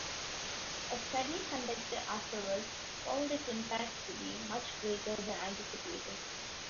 A study conducted afterwards found its impacts to be much greater than anticipated.